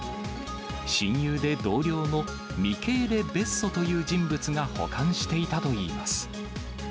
親友で同僚のミケーレ・ベッソという人物が保管していたといいます。